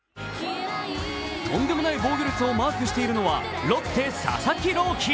とんでもない防御率をマークしているのは、ロッテ・佐々木朗希。